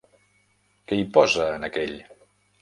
Què hi posa en aquell??